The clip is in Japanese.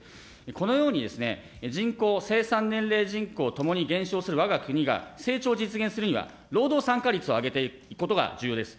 このように、人口、生産年齢人口ともに減少するわが国が成長を実現するには労働参加率を上げていくことが重要です。